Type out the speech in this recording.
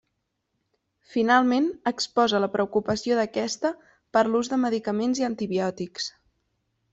Finalment exposa la preocupació d'aquesta per l'ús de medicaments i antibiòtics.